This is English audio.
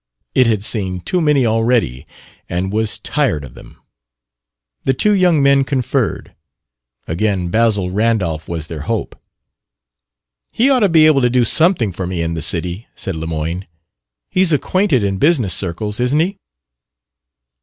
It had seen too many already and was tired of them. The two young men conferred. Again Basil Randolph was their hope. "He ought to be able to do something for me in the city," said Lemoyne. "He's acquainted in business circles, isn't he?"